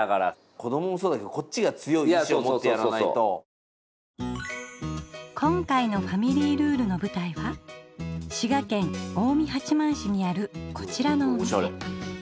子どももそうだけど今回のファミリールールのぶたいは滋賀県近江八幡市にあるこちらのお店。